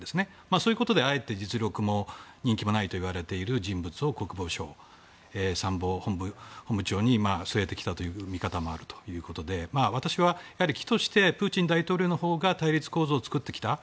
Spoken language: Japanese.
そういうことで、あえて実力も人気もないといわれている人物を国防相、参謀本部長に据えてきたという見方もあるということで私は基としてプーチン大統領のほうが対立構造を作ってきた。